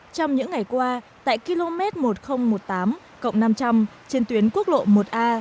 trong những ngày qua tại km một nghìn một mươi tám năm trăm linh trên tuyến quốc lộ một a